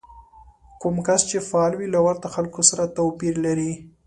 کوم کس چې فعال وي له ورته خلکو سره توپير لري.